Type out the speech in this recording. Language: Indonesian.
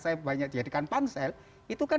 saya banyak jadikan pansel itu kan